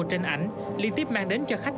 trên ảnh liên tiếp mang đến cho khách